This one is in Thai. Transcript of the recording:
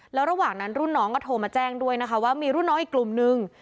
แล้วระหว่างนั้นรุ่นน้องก็โทรมาแจ้งด้วยนะคะว่ามีรุ่นน้องอีกกลุ่มนึง